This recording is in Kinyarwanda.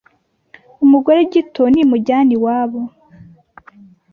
umugore gito ntimujyana iwabo